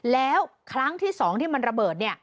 แล้วครั้งที่๒ที่มันระเบิด